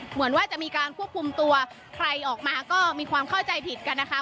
เหมือนว่าจะมีการควบคุมตัวใครออกมาก็มีความเข้าใจผิดกันนะคะ